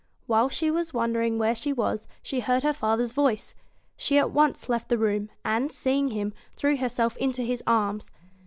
Whilst she was wondering where she was, she heard her father's voice. She at once left the room, and, seeing him, threw herself into his arms.